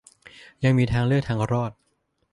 ยังมีทางเลือกทางรอด